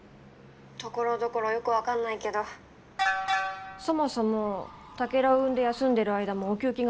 ところどころよく分かんないけどそもそもタケルを産んで休んでる間もお給金が出たんだろ？